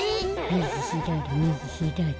みぎひだりみぎひだり。